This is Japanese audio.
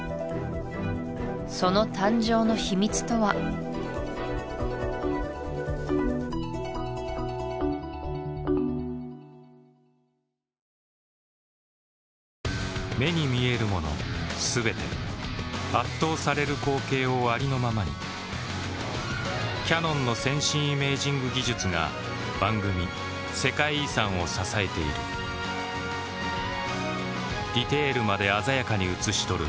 その誕生の秘密とは目に見えるもの全て圧倒される光景をありのままにキヤノンの先進イメージング技術が番組「世界遺産」を支えているディテールまで鮮やかに映し撮る